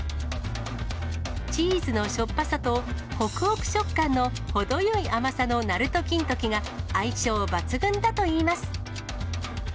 チーズのしょっぱさと、ほくほく食感のほどよい甘さのなると金時が相性抜群だといいます。